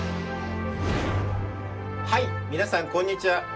はい皆さんこんにちは！